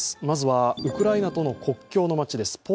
まずはウクライナとの国境の街です。